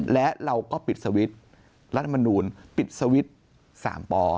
และเราก็ปิดสวิตช์รัฐมนูลปิดสวิตช์๓ป